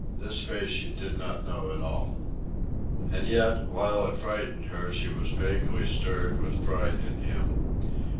This face she did not know at all. And yet, while it frightened her, she was vaguely stirred with pride in him.